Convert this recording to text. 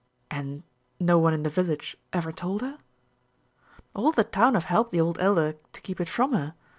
"And no one in the village ever told her?" "All the town have helped the old Elder to keep it from her.